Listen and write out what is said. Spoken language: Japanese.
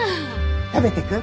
食べてく？